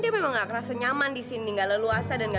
di rumah ini sayang